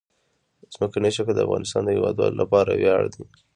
ځمکنی شکل د افغانستان د هیوادوالو لپاره ویاړ دی.